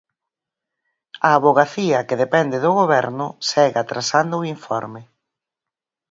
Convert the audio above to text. A Avogacía, que depende do Goberno, segue atrasando o informe.